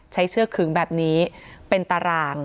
เชือกขึงแบบนี้เป็นตาราง